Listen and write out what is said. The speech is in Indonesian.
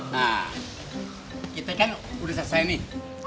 nah kita kan udah selesai nih